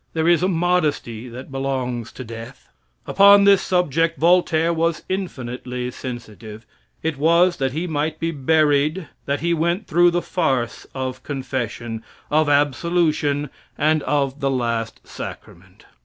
There is a modesty that belongs to death. Upon this subject Voltaire was infinitely sensitive. It was that he might be buried that he went through the farce of confession, of absolution, and of the last sacrament.